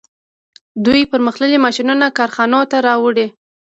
دوی پرمختللي ماشینونه کارخانو ته راوړي